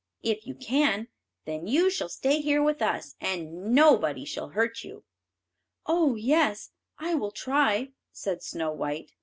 If you can, then you shall stay here with us, and nobody shall hurt you." "Oh yes, I will try," said Snow white.